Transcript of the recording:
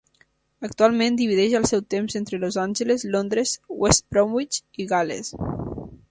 Actualment divideix el seu temps entre Los Angeles, Londres, West Bromwich i Gal·les.